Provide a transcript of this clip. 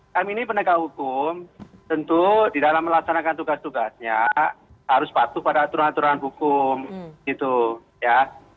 kami ini penegak hukum tentu di dalam melaksanakan tugas tugasnya harus patuh pada aturan aturan hukum gitu ya